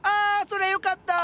そりゃよかった！